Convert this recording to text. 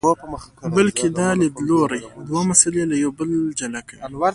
بلکې دا لیدلوری دوه مسئلې له یو بل جلا کوي.